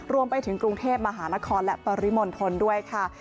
รวมไปถึงกรุงเทพมหานครและปริมณฑลด้วยค่ะ